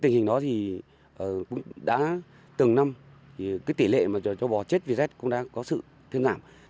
thì cái tỷ lệ mà cho bò chết vì rét cũng đã có sự thương ngạm